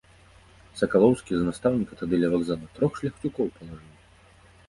Сакалоўскі за настаўніка тады ля вакзала трох шляхцюкоў палажыў.